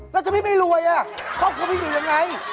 แล้วถ้าพี่ไม่รวยครอบครัวพี่อยู่ยังไง